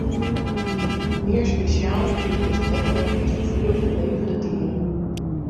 Meer speciaal wil ik het hebben over het vervoer van levende dieren.